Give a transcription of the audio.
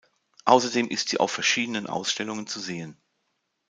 Außerdem ist sie auf verschiedenen Ausstellungen zu sehen.